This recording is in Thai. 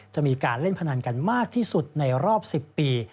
จะมีการเล่นพนันกันมากที่สุดในรอบ๑๐ปี